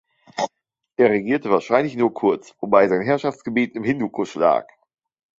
Er regierte wahrscheinlich nur kurz, wobei sein Herrschaftsgebiet im Hindukusch lag.